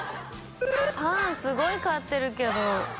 パンすごい買ってるけど。